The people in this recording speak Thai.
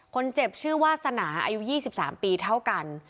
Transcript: คนเจ็บชื่อวาสนาอายุ๒๓ปีเท่ากัน